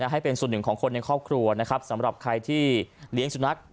ให้เป็นส่วนหนึ่งของคนในครอบครัวนะครับสำหรับใครที่เลี้ยงสุนัข